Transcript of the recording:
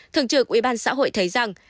thường trực ubnd thấy rằng